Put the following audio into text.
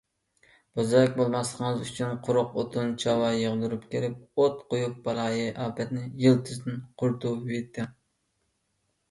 بوزەك بولماسلىقىڭىز ئۈچۈن قۇرۇق ئوتۇن - چاۋا يىغدۇرۇپ كېلىپ ئوت قويۇپ بالايىئاپەتنى يىلتىزىدىن قۇرۇتۇۋېتىڭ.